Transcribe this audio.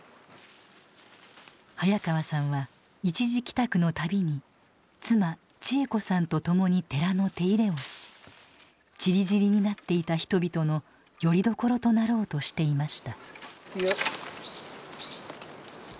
早川さんは一時帰宅の度に妻千枝子さんと共に寺の手入れをしちりぢりになっていた人々のよりどころとなろうとしていました。